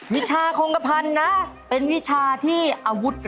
วิชาคงกระพันธ์นะเป็นวิชาที่อาวุธ